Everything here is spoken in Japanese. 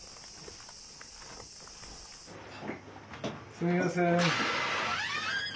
すみません。